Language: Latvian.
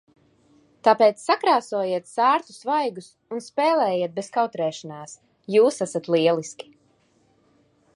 Tāpēc sakrāsojiet sārtus vaigus un spēlējiet bez kautrēšanās. Jūs esat lieliski!